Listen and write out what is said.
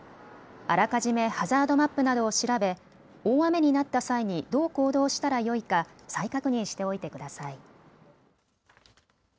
あらかじめハザードマップなどを調べ大雨になった際にどう行動したらよいか再確認しておいてください。